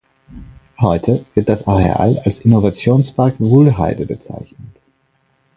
Heute wird das Areal als Innovationspark Wuhlheide bezeichnet.